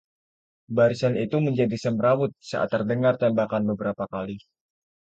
barisan itu menjadi semrawut saat terdengar tembakan beberapa kali